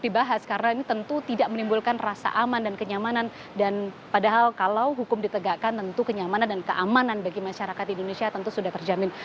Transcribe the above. dibahas karena ini tentu tidak menimbulkan rasa aman dan kenyamanan dan padahal kalau hukum ditegakkan tentu kenyamanan dan keamanan bagi masyarakat di indonesia tentu sudah terjamin